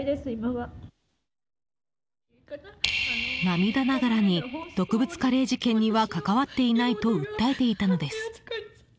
涙ながらに毒物カレー事件には関わっていないと訴えていたのです。